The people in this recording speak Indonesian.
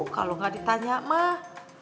kalau nggak ditanya mah